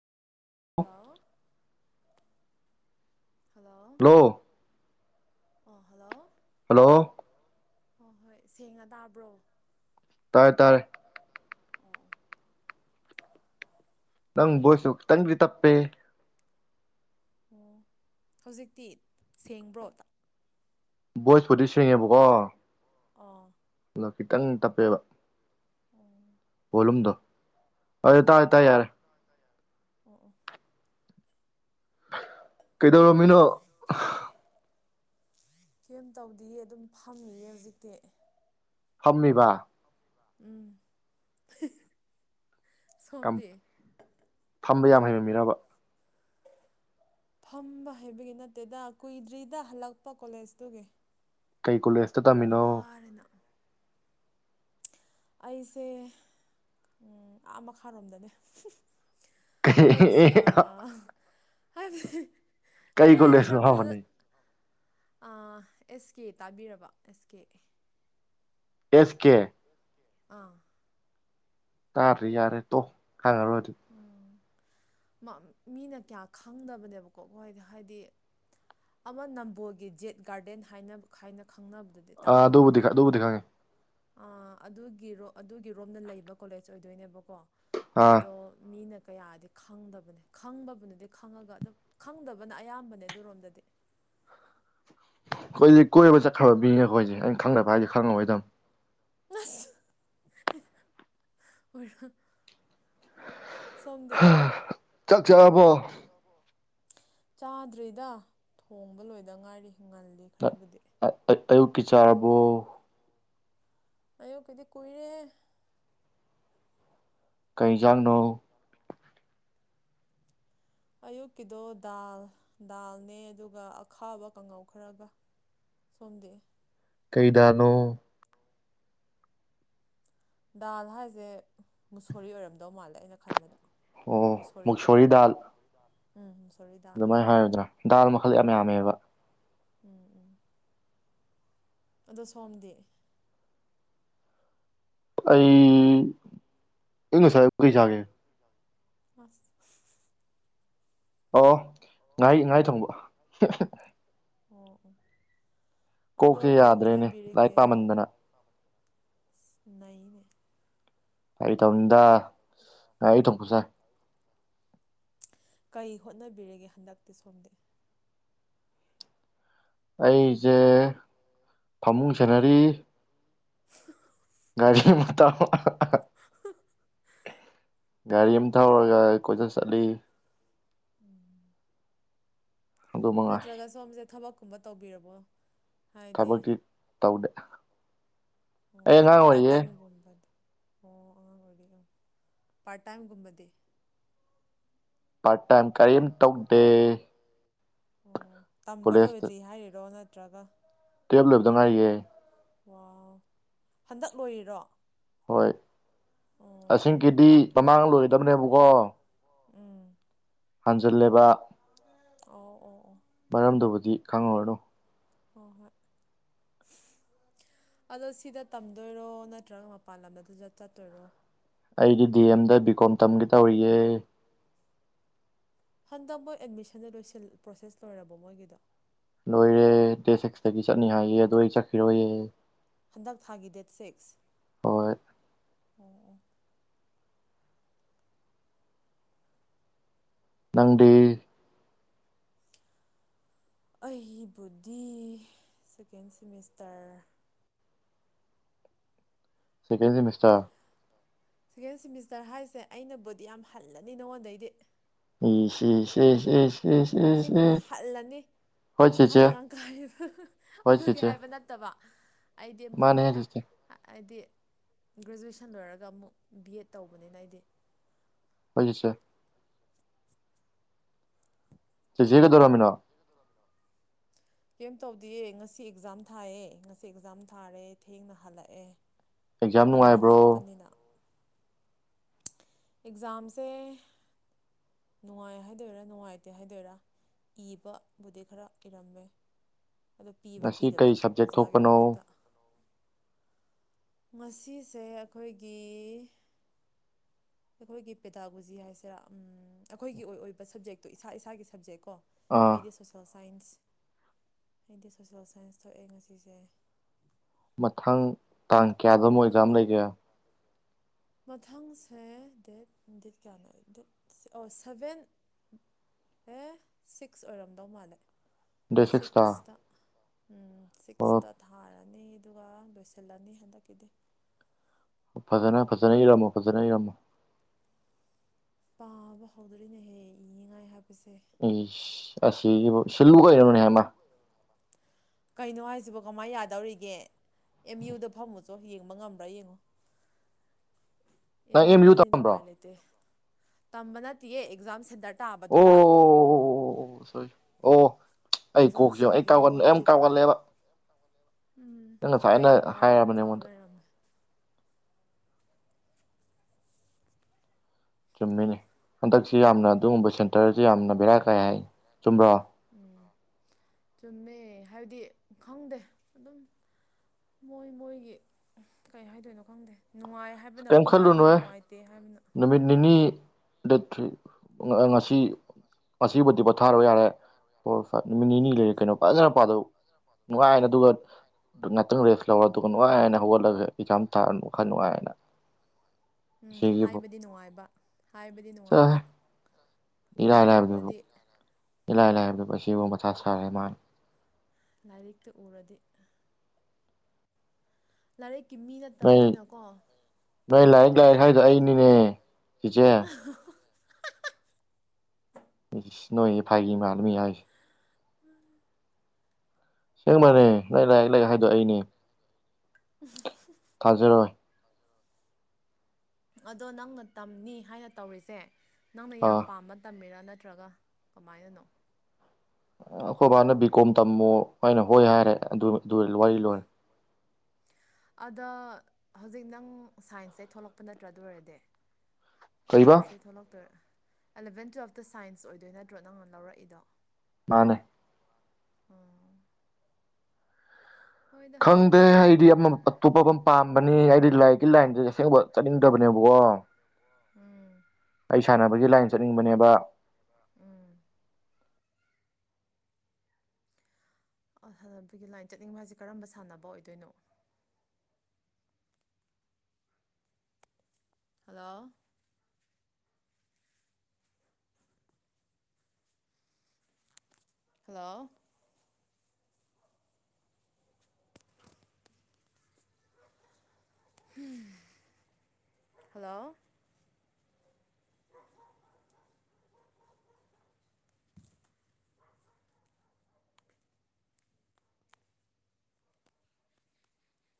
Hello hello ꯑ‌ꯣ hello hello ꯍꯣꯏ ꯍꯣꯏ ꯁꯦꯡꯅ ꯇꯥꯕ꯭ꯔꯣ ꯇꯥꯔꯦ ꯇꯥꯔꯦ ꯇꯥꯔꯦ ꯇꯥꯔꯦ ꯑꯣ ꯑ‌ꯣ ꯅꯪ ꯣꯁꯨꯨ ꯇꯪ꯭ꯔꯤ ꯇꯄꯦ ꯑꯣ ꯍꯧꯖꯤꯛꯇꯤ ꯁꯦꯡꯕ꯭ꯔꯣꯗ ꯕꯣꯏꯁꯄꯨꯗꯤ ꯁꯦꯡꯉꯦꯕꯀꯣ ꯑꫭ ꯑꯗꯣ ꯈꯤꯇꯪ ꯇꯞꯄꯦꯕ ꯑꯣ꯫ ꯔꯨꯝꯗꯣ__ ꯑꯣ ꯑꯣ꯫ ꯀꯩꯗꯧꯔꯃꯤꯅꯣ꯫ ꯀꯩꯝ ꯇꯧꯗꯤꯌꯦ ꯑꯗꯨꯝ ꯐꯝꯏꯌꯦ ꯍꯧꯖꯤꯛꯇꯤ꯫ ꯐꯝꯃꯤꯕꯥ꯫ ꯎꯝ꯫ ꯄꯝ ꯁꯣꯝꯗꯤ ꯐꯝꯕ ꯌꯥꯝ ꯍꯩꯕꯃꯤꯔꯕ꯫ ꯐꯝꯕ ꯍꯩꯕꯒꯤ ꯅꯠꯇꯦꯗ ꯀꯨꯏꯗ꯭ꯔꯤꯗ ꯍꯜꯂꯛꯄ ꯀꯣꯂꯦꯖꯇꯨꯒꯤ꯫ ꯀꯩ ꯀꯣꯂꯦꯖꯇ ꯇꯝꯃꯤꯅꯣ꯫ [unintelligible] ꯑꯩꯁꯦ ꯎꯝ ꯑꯥ ꯃꯈꯥꯔꯣꯝꯗꯅꯦ꯫ ꯑꯃꯒꯤꯁꯦ ꯀꯩ ꯑꯥ ꯍꯥꯏꯗꯤ__ ꯀꯩ ꯀꯔꯤ ꯍꯥꯏꯁꯤꯔꯥ ꯀꯣꯂꯦꯖꯅꯣ ꯐꯖ__ ꯍꯥꯏꯕꯅꯦ ꯑꯥ ꯑꯦꯁ ꯀꯦ ꯇꯥꯕꯤꯔꯕ ꯑꯦꯁ ꯀꯦ ꯑꯦ꯫ ꯑꯦꯁ ꯀꯦ꯫ ꯑꯥ꯫ ꯇꯥꯗ꯭ꯔꯤ ꯌꯥꯔꯦ ꯇꯣ ꯈꯪꯉꯔꯣꯏ ꯑꯗꯨ꯫ ꯎꯝ ꯃ ꯃꯤꯅ ꯀꯌꯥ ꯈꯪꯗꯕꯅꯦꯕꯀꯣ ꯃꯣꯏ ꯍꯥꯏꯗꯤ__ ꯑꯃ ꯅꯝꯕꯣꯜꯒꯤ ꯖꯦꯠ ꯒꯥꯔꯗꯦꯟ ꯍꯥꯏꯅ ꯍꯥꯏꯅ ꯈꯪꯅꯕꯗꯨꯗ__ ꯗꯨ ꯑꯥ ꯑꯗꯨꯕꯨꯗꯤ ꯇꯥꯔꯝꯃꯅꯤꯗ ꯑꯗꯨꯕꯨꯗꯤ ꯈꯪꯉꯦ ꯑꯥ ꯑꯗꯨꯒꯤꯔꯣ ꯑꯗꯨꯒꯤꯔꯣꯝꯗ ꯂꯩꯕ ꯀꯣꯂꯦꯖ ꯑꯣꯏꯗꯣꯏꯅꯦꯕꯀꯣ꯫ ꯑꯥ ꯑꯗꯣ ꯃꯤꯅ ꯀꯌꯥꯗꯤ__ ꯈꯪꯗꯕꯅꯦ ꯈꯪꯕꯕꯨꯅꯗꯤ ꯈꯪꯉꯒ ꯑꯗꯨꯝ ꯈꯪꯗꯕꯅ ꯑꯌꯥꯝꯕꯅꯦ ꯑꯗꯨꯔꯣꯝꯗꯗꯤ꯫ ꯈꯣꯏꯗꯤ ꯀꯣꯏꯕ ꯆꯠꯈ꯭ꯔꯕ ꯃꯤꯅꯦꯈꯣꯖꯦ ꯑꯩꯅ ꯈꯪꯗꯕ ꯍꯥꯏꯗꯤ ꯈꯪꯉꯣꯏꯗꯝ꯫ ꯑꯁ ꯑꯣꯏ__ ꯍꯥ ꯆꯥꯛ ꯆꯔꯕꯣ꯫ ꯆꯥꯗ꯭ꯔꯤꯗ ꯊꯣꯡꯕ ꯂꯣꯏꯗ ꯉꯥꯏꯔꯤ ꯉꯜꯂꯤ ꯈꯔꯕꯨꯗꯤ꯫ ꯑ ꯑ ꯑꯌꯨꯛꯀꯤ ꯆꯥꯔꯕꯣ꯫ ꯑꯨꯌꯨꯀꯤꯗꯤ ꯀꯨꯏꯔꯦ꯫ ꯀꯩꯖꯥꯡꯅꯣ꯫ ꯑꯌꯨꯛꯀꯤꯗꯣ ꯗꯥꯜ ꯗꯥꯜꯅꯦ ꯑꯗꯨꯒ ꯑꯈꯥꯕ ꯀꯥꯡꯉꯧ ꯈꯔꯒ꯫ ꯁꯣꯝꯗꯦ꯫ ꯀꯩꯗꯅꯣ꯫ ꯗꯥꯜ ꯍꯥꯏꯖꯦ ꯃꯨꯁꯣꯔꯤ ꯑꯣꯏꯔꯝꯗꯧ ꯃꯥꯜꯂꯦ ꯑꯩꯅ ꯈꯟꯕꯗ꯫ ꯑꯣ ꯃꯨꯁꯣꯔꯤ ꯃꯨꯛꯁꯣꯔꯤ ꯗꯥꯜ ꯎꯝ ꯃꯨꯁꯣꯔꯤꯗꯥꯜ꯫ ꯑꯗꯨꯃꯥꯏꯅ ꯍꯥꯏꯔꯗꯅ ꯗꯥꯜ ꯃꯈꯜ ꯌꯥꯝ ꯌꯥꯝꯃꯦꯕ꯫ ꯎꯝ ꯎꯝ꯫ ꯑꯗꯣ ꯁꯣꯝꯗꯤ꯫ ꯑꯩ ꯑꯩ ꯉꯁꯥꯏꯕꯨ ꯀꯩ ꯆꯥꯒꯦ꯫ ꯍꯁ ꯑꯣ ꯉꯍꯩ ꯉꯍꯩ ꯊꯣꯡꯕ ꯑꯣ ꯑꯣ ꯑꯗꯣ ꯀꯣꯛꯁꯦ ꯀꯩ ꯌꯥꯗ꯭ꯔꯦꯅꯦ ꯂꯥꯏꯔꯤꯛ ꯍꯣꯠꯅꯕꯤꯔꯤꯒꯦ ꯄꯥꯃꯟꯗꯅ ꯑꯁ ꯅꯩꯅꯦ ꯏꯇꯣꯝꯗ ꯉꯥꯍꯩ ꯊꯣꯡꯕ ꯆꯥꯏ ꯀꯩ ꯍꯣꯠꯅꯕꯤꯔꯤꯒꯦ ꯍꯟꯗꯛꯇꯤ ꯁꯣꯝꯗꯤ ꯑꯩꯖꯦ ꯐꯃꯨꯡ ꯁꯦꯟꯅꯔꯤ [unintelligible] ꯒꯥꯔꯤꯃ ꯇ ꯍ [unintelligible] ꯒꯥꯔꯤ ꯑꯃ ꯊꯧꯔꯒ ꯑꯩ ꯀꯣꯏꯆꯠ ꯆꯠꯂꯤ ꯎꯝ ꯑꯗꯨ ꯃꯉꯥꯏ ꯅꯠꯇ꯭ꯔꯒ ꯁꯣꯝꯁꯦ ꯊꯕꯛꯀꯨꯝꯕ ꯇꯧꯕꯤꯔꯕꯣ ꯍꯥꯏꯗꯤ ꯊꯕꯛꯇꯤ ꯇꯧꯗꯦ ꯑꯣ ꯑꯩ ꯑꯉꯥꯡ ꯑꯣꯏꯔꯤꯌꯦ ꯄꯥꯔꯠꯇꯥꯏꯝ ꯒꯨꯝꯕꯗꯤ ꯑꯣ ꯑꯉꯥꯡ ꯑꯣꯏꯔꯤ ꯑ ꯄꯥꯔꯠ ꯇꯥꯏꯝꯒꯨꯝꯕꯗꯤ ꯄꯥꯔꯠ ꯇꯥꯏꯝ ꯀꯔꯤꯝ ꯇꯧꯗꯦ ꯑꯣ ꯇꯝꯕ ꯀꯣꯂꯦꯖꯇ ꯂꯣꯏꯗ꯭ꯔꯤ ꯍꯥꯏꯔꯤꯔꯣ ꯅꯠꯇ꯭ꯔꯒ ꯇꯨꯌꯦꯜꯞ ꯂꯣꯏꯕꯗ ꯉꯥꯏꯔꯤꯌꯦ ꯋꯥꯎ ꯍꯟꯗꯛ ꯂꯣꯏꯔꯤꯔꯣ ꯍꯣꯏ ꯑꯣ ꯑꯁꯦꯡꯀꯤꯗꯤ ꯀ ꯃꯃꯥꯡ ꯂꯣꯏꯒꯗꯕꯅꯦꯕꯀꯣ ꯎꯝ ꯍꯟꯖꯤꯜꯂꯦꯕ ꯑꯣ -ꯑꯣ -ꯑꯣ ꯃꯔꯝꯗꯨꯕꯨꯗꯤ ꯈꯪꯉꯨꯔꯅꯨ ꯍꯣꯏ- ꯍꯣꯏ ꯑꯗꯣ ꯁꯤꯗ ꯇꯝꯗꯣꯏꯔꯣ ꯅꯠꯇ꯭ꯔꯒ ꯃꯄꯥꯟ ꯂꯝꯗꯗ ꯆꯠꯇꯣꯏꯔꯣ ꯑꯩꯗꯤ ꯗꯤ ꯑꯦꯝꯗ ꯕꯤꯀꯣꯝ ꯇꯝꯒꯦ ꯇꯧꯔꯤꯌꯦ ꯍꯟꯗꯛ ꯃꯣꯏ ꯑꯦꯗꯃꯤꯁꯟꯗ ꯂꯣꯏꯁꯤꯜ ꯄ꯭ꯔꯣꯁꯦꯁ ꯂꯣꯏꯔꯕꯣ ꯃꯣꯏꯒꯤꯗꯣ ꯂꯣꯏꯔꯦ ꯗꯦꯠ ꯁꯤꯛꯁꯇꯒꯤ ꯆꯠꯅꯤ ꯍꯥꯏꯌꯦ ꯑꯗꯨꯗꯣ ꯑꯩ ꯆꯠꯈꯤꯔꯣꯏꯌꯦ ꯍꯟꯗꯛ ꯊꯥꯒꯤ ꯗꯦꯠ ꯁꯤꯛꯁ ꯍꯣꯏ ꯑꯣ- ꯑꯣ ꯅꯪꯗꯤ ꯑꯩꯕꯨꯗꯤ second semester second semester second semester ꯍꯥꯏꯁꯦ ꯑꯩꯅꯕꯨꯗꯤ ꯌꯥꯝ ꯍꯜꯂꯅꯤ ꯅꯉꯣꯟꯗꯩꯗꯤ ꯏꯁ ꯏꯁ ꯏꯁ ꯏꯁ ꯏꯁ ꯏꯁ ꯏꯁ ꯑꯁꯦꯡꯕꯅꯦ ꯍꯜꯂꯅꯤ ꯍꯣꯏ ꯑꯍꯟ ꯆꯦꯆꯦ ꯑꯉꯥꯡ ꯀꯥꯏꯔꯤꯗ ꯍꯣꯏ ꯑꯗꯨꯒꯤ ꯆꯦꯆꯦ ꯍꯥꯏꯕ ꯅꯠꯇꯕ ꯑꯩꯗꯤ ꯑꯃꯨꯛ ꯃꯥꯅꯦ ꯆꯦꯆꯦ ꯍꯥꯏꯗꯤ ꯒ꯭ꯔꯦꯖꯨꯋꯦꯁꯟ ꯂꯣꯏꯔꯒ ꯑꯃꯨꯛ ꯕꯤ ꯑꯦꯗ ꯇꯧꯕꯅꯤꯅ ꯑꯩꯗꯤ ꯍꯣꯏ ꯁꯦ ꯆꯦ ꯆꯦ ꯀꯩꯗꯧꯔꯝꯃꯤꯅꯣ ꯀꯦꯝ ꯇꯧꯗꯤꯌꯦ ꯉꯁꯤ ꯑꯦꯛꯖꯥꯝ ꯊꯥꯏꯌꯦ ꯉꯁꯤ ꯑꯦꯛꯖꯥꯝ ꯊꯥꯔꯦ ꯊꯦꯡꯅ ꯍꯜꯂꯛꯑꯦ ꯑꯦꯛꯖꯥꯝ ꯂꯝꯕꯤ ꯅꯨꯡꯉꯥꯏꯕ꯭ꯔꯣ ꯂꯥꯞꯄꯅꯤꯅ ꯑꯦꯛꯖꯥꯝꯁꯦ ꯅꯨꯡꯉꯥꯏ ꯍꯥꯏꯗꯣꯏꯔꯥ ꯅꯨꯡꯉꯥꯏꯇꯦ ꯍꯥꯏꯗꯣꯏꯔꯥ ꯏꯕꯕꯨꯗꯤ ꯈꯔ ꯏꯔꯝꯃꯦ ꯑꯗꯣ ꯄꯤꯕ ꯉꯁꯤ ꯄꯤꯗꯕ ꯀꯩ ꯁꯕꯖꯦꯛ ꯑꯣꯖꯥꯒꯤ ꯊꯣꯛꯄꯅꯣ ꯃꯈꯨꯠꯇ ꯉꯁꯤꯁꯦ ꯑꯩꯈꯣꯏꯒꯤ [inaudible] ꯑꯩꯈꯣꯏꯒꯤ ꯄꯦꯗꯥꯒꯣꯖꯤ ꯍꯥꯏꯁꯤꯔꯥ ꯎꯝ ꯑꯩꯈꯣꯏꯒꯤ ꯑꯣꯏ ꯑꯣꯏꯕ ꯁꯞꯖꯦꯛꯇꯣ ꯏꯁꯥ ꯏꯁꯥꯒꯤ ꯁꯞꯖꯦꯛ ꯀꯣ ꯑꯥ ꯑꯩꯗꯤ ꯁꯣꯁꯦꯜ ꯁꯥꯏꯟꯁ ꯑꯩꯗꯤ ꯁꯣꯁꯦꯜ ꯁꯥꯏꯟꯁ ꯊꯣꯛꯑꯦ ꯉꯁꯤꯁꯦ ꯃꯊꯪ ꯇꯥꯡ ꯀꯌꯥꯗ ꯑꯃꯨꯛ ꯑꯦꯛꯖꯥꯝ ꯂꯩꯒꯦ ꯃꯊꯪꯁꯦ ꯗꯦꯠ ꯗꯦꯠ ꯀꯌꯥꯅꯣ ꯗꯦꯠ ꯑꯣ ꯁꯚꯦꯟ ꯑꯦ ꯁꯤꯛꯁ ꯑꯣꯏꯔꯝꯗꯧ ꯃꯥꯜꯂꯦ ꯁꯤꯛꯁꯇ ꯎꯝ ꯁꯤꯛꯁꯇ ꯑꯣ ꯊꯥꯔꯅꯤ ꯑꯗꯨꯒ ꯂꯣꯏꯁꯤꯜꯂꯅꯤ ꯍꯟꯗꯛꯀꯤꯗꯤ ꯐꯖꯅ ꯐꯖꯅ ꯏꯔꯝꯃꯣ ꯐꯖꯅ ꯏꯔꯝꯃꯣ ꯄꯥꯕ ꯍꯧꯗꯔꯤꯅꯦꯍꯦ ꯏꯅꯤꯡꯉꯥꯏ ꯍꯥꯏꯕꯁꯦ ꯏꯁ ꯑꯁꯤꯒꯤꯕꯨ ꯏꯁꯤꯜꯂꯨ ꯀꯩꯅꯣꯅꯦ ꯍꯥꯏꯃ ꯀꯩꯅꯣ ꯍꯥꯏꯁꯤꯕꯣ ꯀꯃꯥꯏꯅ ꯌꯥꯗꯧꯔꯤꯒꯦ ꯑꯦꯝ ꯌꯨꯗ ꯐꯝꯃꯨ ꯆꯣ ꯌꯦꯡꯕ ꯉꯝꯕ꯭ꯔꯥ ꯌꯦꯡꯉꯣ ꯅꯪ ꯑꯦꯝ ꯌꯨ ꯌꯨꯗꯅꯤꯅ ꯇꯝꯕ꯭ꯔꯣ ꯎꯄꯥꯏ ꯂꯩꯇꯦ ꯇꯝꯕ ꯅꯠꯇꯦꯌꯦ ꯑꯦꯛꯖꯥꯝ ꯁꯦꯟꯇꯔ ꯇꯥꯕꯗꯨꯗ ꯑꯣ ꯑꯣ ꯑꯩ ꯀꯣꯛꯁꯤ ꯌꯦꯡꯉꯨ ꯑꯩ ꯑꯣꯖꯥꯁꯤꯡꯒꯤ ꯀꯥꯎꯒꯟ ꯑꯩꯌꯥꯝ ꯃꯑꯣꯡꯗꯨꯗꯤ ꯀꯃ ꯀꯥꯎꯒꯜꯂꯦꯕ ꯅꯪꯅ ꯐꯌꯥꯅ ꯍꯥꯏꯔꯕꯅꯦ ꯑꯩꯉꯣꯟꯗ ꯔꯪ ꯆꯨꯝꯃꯤꯅꯦ ꯍꯟꯗꯛꯁꯤ ꯌꯥꯝꯅ ꯑꯗꯨꯒꯨꯝꯕ ꯁꯦꯟꯇꯔꯁꯤ ꯌꯥꯝꯅ ꯕꯦꯔꯥ ꯀꯥꯏ ꯍꯥꯏ ꯆꯨꯝꯕ꯭ꯔꯣ ꯎꯝ ꯆꯨꯝꯃꯦ ꯍꯥꯏꯕꯗꯤ ꯈꯪꯗꯦ ꯑꯗꯨꯝ ꯃꯣꯏ ꯃꯣꯏꯒꯤ ꯀꯩ ꯍꯥꯏꯗꯣꯏꯅꯣ ꯈꯪꯗꯦ ꯅꯨꯡꯉꯥꯏ ꯍꯥꯏꯕꯅ ꯀꯩꯝ ꯀꯣꯡꯒꯥꯏ ꯑꯃ ꯈꯜꯂꯨꯅꯨꯍꯦ ꯅꯨꯡꯉꯥꯏꯇꯦ ꯍꯥꯏꯕꯅ ꯅꯨꯃꯤꯠ ꯅꯤꯅꯤ ꯗꯦꯠ ꯊ꯭ꯔꯤ ꯉꯁꯤ ꯉꯁꯤꯕꯨꯗꯤ ꯄꯣꯊꯥꯔ‌ꯣ ꯌꯥꯔꯦ ꯐꯣꯔ ꯐꯥꯏꯞ ꯅꯨꯃꯤꯠ ꯅꯤꯅꯤ ꯂꯩꯔꯦ ꯀꯩꯅꯣ ꯐꯖꯅ ꯄꯥꯗꯧ ꯅꯨꯡꯉꯥꯏꯅ ꯑꯗꯨꯒ ꯉꯥꯇꯪ ꯔꯦꯁ ꯂꯧꯔ‌ꯣ ꯑꯗꯨꯒ ꯅꯨꯡꯉꯥꯏꯅ ꯍꯧꯒꯠꯂꯒ ꯑꯦꯖꯥꯝ ꯊꯥꯔꯨ ꯋꯥꯈꯜ ꯅꯨꯡꯉꯥꯏꯅ ꯎꯝ ꯁꯤꯒꯤꯕꯨ ꯍꯥꯏꯕꯗꯤ ꯅꯨꯡꯉꯥꯏꯕ ꯍꯥꯏꯕꯗꯤ ꯅꯨꯡꯉꯥꯏꯕ ꯆꯠꯂꯣꯍꯦ ꯏꯔꯥꯏ ꯂꯥꯏꯔꯤꯛꯇꯨ ꯂꯥꯏꯕꯗꯨꯕꯨ ꯎꯔꯗꯤ [unintelligible] ꯏꯂꯥꯏ ꯂꯥꯏꯕꯗꯨꯕꯨ ꯑꯁꯤꯕꯨ ꯃꯊꯥ ꯁꯥꯔꯤ ꯃꯥꯟ ꯂꯥꯏꯔꯤꯛꯇꯨ ꯎꯔꯗꯤ ꯂꯥꯏꯔꯤꯛꯀꯤ ꯃꯤ ꯅꯣꯏ ꯅꯠꯇꯞꯗꯤꯅꯀꯣ ꯅꯣꯏ ꯄꯥꯏ ꯂꯥꯏꯔꯤꯛ ꯂꯩꯇ‌ꯦ ꯂꯥꯏꯔꯤꯛ ꯍꯥꯏꯗꯣ ꯑꯩꯅꯤꯅꯦ ꯆꯤꯆꯦ ꯏꯁ ꯅ‌ꯣꯛꯏ ꯐꯥꯒꯤ ꯃꯥꯜꯂ‌ꯦ ꯃꯤ ꯍꯥꯏꯁ‌ꯦ ꯁꯦꯡꯕꯅ‌ꯦ ꯅ‌ꯣꯏ ꯂꯥꯏꯔꯤꯛ ꯂꯥꯏꯔꯤꯛ ꯍꯥꯏꯗ‌ꯣ ꯑꯩꯅꯦ ꯊꯥꯖꯔꯣꯏ ꯑꯗꯣ ꯅꯪꯅ ꯇꯝꯅꯤ ꯍꯥꯏꯅ ꯇꯧꯔꯤꯁꯦ ꯅꯪꯅ ꯌꯥꯝ ꯑꯥ ꯄꯥꯝꯅ ꯇꯝꯃꯤꯔꯥ ꯅꯠꯇ꯭ꯔꯒ ꯀꯃꯥꯏꯅꯅꯣ ꯑꯩꯈꯣꯏ ꯕꯥꯅ ꯕꯤ ꯀꯣꯝ ꯇꯝꯃꯣ ꯑꯩꯅ ꯍꯣꯏ ꯍꯥꯏꯔꯦ ꯑꯗꯨ ꯑꯗꯨ ꯋꯥꯔꯤ ꯂꯣꯏꯔꯦ ꯑꯗ ꯍꯧꯖꯤꯛ ꯅꯪ ꯁꯥꯏꯟꯁ ꯇꯩ ꯊꯣꯛꯂꯛꯄ ꯅꯠꯇ꯭ꯔ ꯑꯗꯨ ꯑꯣꯏꯔꯗꯤ [inaudible] ꯁꯥꯏꯟꯁ ꯇꯩ ꯊꯣꯛꯂꯛꯇꯣꯏꯔ ꯑꯂꯕꯦꯟ ꯇꯨꯌꯦꯜꯄꯇ ꯁꯥꯏꯟꯁ ꯑꯣꯏꯗꯣꯏ ꯅꯠꯇ꯭ꯔꯣ ꯅꯪꯅ ꯂꯧꯔꯛꯏꯗꯣ ꯃꯥꯅꯦ ꯎꯝ ꯍꯣꯏꯗ ꯈꯪꯗꯦ ꯍꯣꯠꯅꯧ ꯍꯣꯠꯅꯧ ꯍꯥꯏꯗꯤ ꯑꯃ ꯑꯇꯣꯞꯄ ꯑꯃ ꯄꯥꯝꯕꯅ‌ꯦ ꯑꯩꯗꯤ ꯂꯥꯏꯔꯤꯛꯀꯤ ꯂꯥꯏꯟꯗꯗꯤ ꯑꯁꯦꯡꯕ ꯆꯠꯅꯤꯡꯗꯕꯅꯦꯕꯀꯣ [inaudible] ꯎꯝ ꯑꯩ ꯁꯥꯟꯅꯕꯒꯤ ꯂꯥꯏꯟ ꯆꯠꯅꯤꯡꯕꯅꯦꯕ ꯎꯝ ꯑ ꯁꯥꯟꯅꯕꯒꯤ ꯂꯥꯏꯟ ꯆꯠꯅꯤꯡꯕ ꯍꯥꯏꯁꯦ ꯀꯔꯝꯕ ꯁꯥꯟꯅꯕ ꯑꯣꯏꯗꯣꯏꯅꯣ ꯍꯜꯂꯣ ꯍꯜꯂꯣ ꯍꯜꯂꯣ [unintelligible]